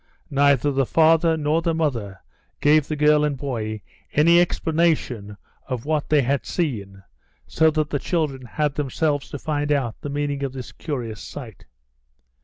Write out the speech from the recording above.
Neither the father nor the mother gave the girl and boy any explanation of what they had seen, so that the children had themselves to find out the meaning of this curious sight.